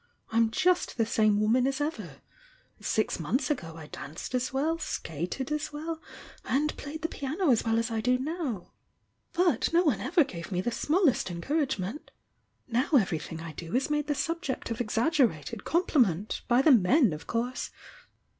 I'm just the same woman as ever — six months ago I danced as well, skated as well, and played the piano as well as I do now — but no one ever gave me the smallest encouragement! Now everything I do is made the subject of exaggerated compliment, by the men of course!